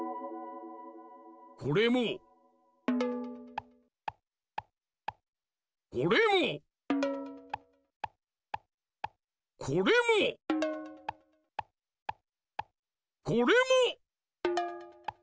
これもこれもこれもこれも！